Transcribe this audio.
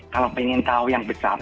kalau pengen tahu yang besar